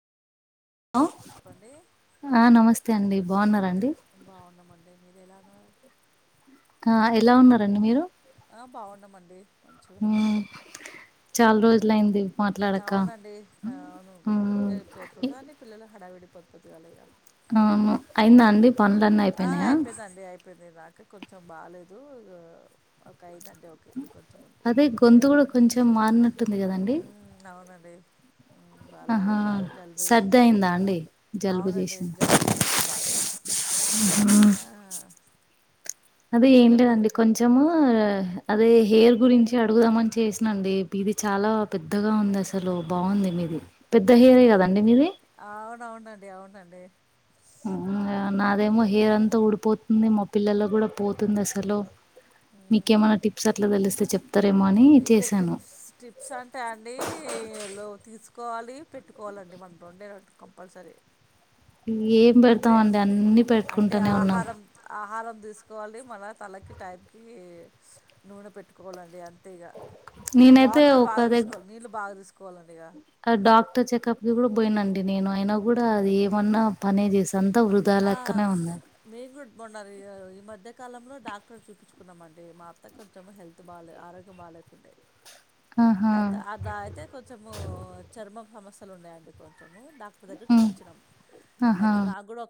అ చెప్పండి ఆ నమస్తే అండి బాగున్నారండి బాగున్నామండి మీరు ఎలా ఉన్నారు ఆ ఎలా ఉన్నా ఆ బాగున్నామండి మంచిగా ఉన్నాము మ్మ్ చాలా రోజులయింది మాట్లాడక అవునండి అవును మ్మ్ ఇప్పుడు ఇ- ఎట్లుంటాది అండి పిల్లలు హడావిడి పొద్దుపొద్దు అలేగా అవును అయిందా అండి పనులన్నీ అయిపోయినాయా ఇది నాకి కొంచెం బాలేదు ఒక ఐ అదే గొంతు కూడా కొంచెం మారినట్టుంది కదండి బళ్ళ ఆహా బాగా జలుబు సర్ది చేేసింది అయిందా అండి జలుబు అవునండి జలుబు చేేసింది బాగా ఆ అదే చెప్పండి ఏంటిదండి కొంచము అదే హెయిర్ గురించి అడుగుదామని చేసినాండి ఇది చాలా పెద్దగా ఉంది అసలు బాగుంది మీది పెద్ద హెయిరే కదండి మీది అవునండి అవునండి ఉ నాదేమో ఉమ్ హెయిర్ అంతా ఊడిపోతుంది మా పిల్లలకి కూడా పోతుంది అసలు మీకేమన్నా టిప్స్ అట్లా తెలిస్తే చెప్ ఇంకా టిప్స్ టిప్స్ అంటే అండి లో తీసు కోవాలి పెట్టుకోవాలండి మన రొండే కంపల్సరీ ఏం అంటే పెడతామండి అన్ని అంటే పెట్టుకుంటనే ఉన్నాం ఆహారం ఆహారం తీసుకోవాలి మళ తలకి టైం కి నూనె పెట్టుకోవాలండి అన్ తేగా నేనైతే వాటర్ బాగా తీసుకోవాలి నీళ్ళు బాగా తీసుకోవాలి ఆ డాక్టర్ చెకప్ కి కూడా పోయినండి నేను అయినా కూడా అది ఏమన్నా పనే చేస్ ఆ మేము కూడా మొన్న అది ఈ మధ్య కాలంలో డాక్టర్ చూపించుకున్నామండి మా అత్త కొంచెం హెల్త్ బాలే ఆరోగ్యం బాలేకుండే ఆహా అయితే అట్లా అయితే కొంచెము చర్మం సమస్యలు ఉన్నాయండి కొంచెం డాక్టర్ దగ్గర ఉమ్, చూపించినం ఆహా అయితే నా కూడా